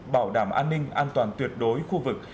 bảo đảm an ninh an toàn tuyệt đối khu vực